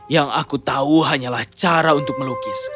yang aku tahu hanyalah cara untuk melukis